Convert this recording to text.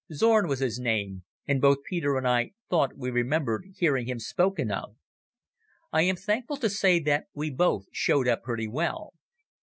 Zorn was his name, and both Peter and I thought we remembered hearing him spoken of. I am thankful to say that we both showed up pretty well.